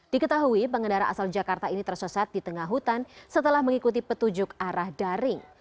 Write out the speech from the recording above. diketahui pengendara asal jakarta ini tersesat di tengah hutan setelah mengikuti petunjuk arah daring